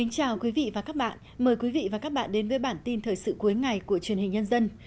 chào mừng quý vị đến với bản tin thời sự cuối ngày của truyền hình nhân dân